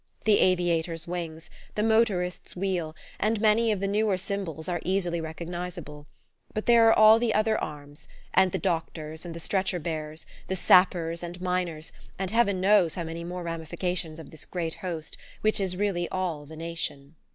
The aviator's wings, the motorist's wheel, and many of the newer symbols, are easily recognizable but there are all the other arms, and the doctors and the stretcher bearers, the sappers and miners, and heaven knows how many more ramifications of this great host which is really all the nation.